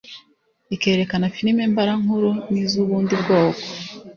ikerekana film mbarankuru n’iz’ubundi bwoko